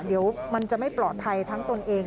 เดี๋ยวมันจะไม่ปลอดภัยทั้งตนเอง